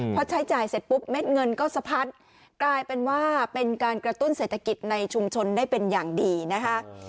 พอใช้จ่ายเสร็จปุ๊บเม็ดเงินก็สะพัดกลายเป็นว่าเป็นการกระตุ้นเศรษฐกิจในชุมชนได้เป็นอย่างดีนะคะ